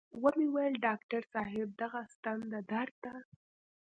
و مې ويل ډاکتر صاحب دغه ستن د درد ده.